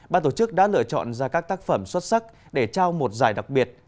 ban tổ chức đã lựa chọn ra các tác phẩm xuất sắc để trao một giải đặc biệt